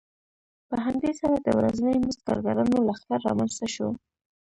په همدې سره د ورځني مزد کارګرانو لښکر رامنځته شو